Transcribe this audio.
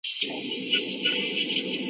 آیا احمدشاه بابا کابل پلازمېنه کړه؟